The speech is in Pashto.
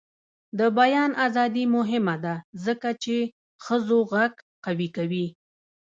د بیان ازادي مهمه ده ځکه چې ښځو غږ قوي کوي.